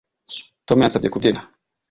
Tom yansabye kubyina